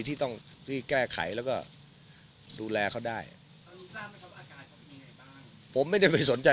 ที่ต้องที่แก้ไขแล้วก็ดูแลเขาได้ผมไม่ได้ไปสนใจ